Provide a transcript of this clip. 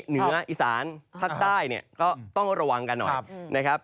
เหนืออีสานภาคใต้เนี่ยก็ต้องระวังกันหน่อยนะครับ